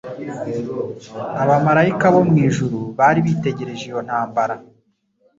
Abamalayika bo mu ijuru bari bitegereje iyo ntambara,